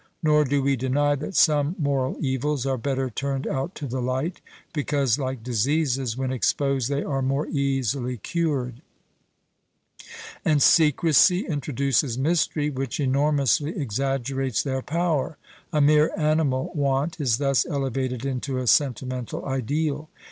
Nor do we deny that some moral evils are better turned out to the light, because, like diseases, when exposed, they are more easily cured. And secrecy introduces mystery which enormously exaggerates their power; a mere animal want is thus elevated into a sentimental ideal.